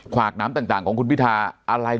ขวากน้ำต่างของคุณพิทาอะไร